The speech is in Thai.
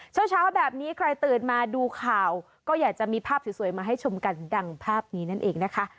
เช้าแบบนี้ใครตื่นมาดูข่าวก็อยากจะมีภาพสวยมาให้ชมกันดังภาพนี้นั่นเองนะคะ